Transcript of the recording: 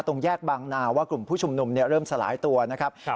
ตรงแยกบางนาว่ากลุ่มผู้ชุมนุมเริ่มสลายตัวนะครับ